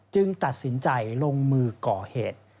ตัดสินใจลงมือก่อเหตุ